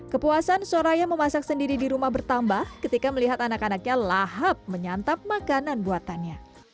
kepuasan soraya memasak sendiri di rumah bertambah ketika melihat anak anaknya lahap menyantap makanan buatannya